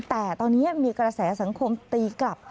แต่ตอนนี้มีกระแสสังคมตีกลับ